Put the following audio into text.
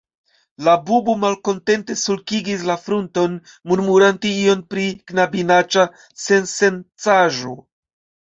La bubo malkontente sulkigis la frunton, murmurante ion pri "knabinaĉa sensencaĵo".